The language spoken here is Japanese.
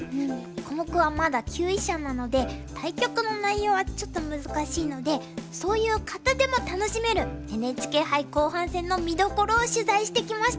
コモクはまだ級位者なので対局の内容はちょっと難しいのでそういう方でも楽しめるＮＨＫ杯後半戦の見どころを取材してきました。